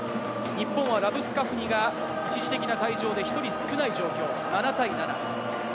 日本はラブスカフニが一時的な退場で１人少ない状況、７対７。